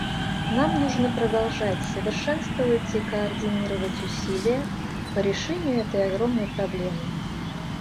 Нам нужно продолжать совершенствовать и координировать усилия по решению этой огромной проблемы.